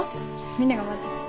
みんなが待ってる。